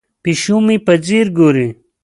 پیشو مې په ځیر ګوري.